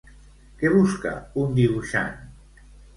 Què busca un dibuixant?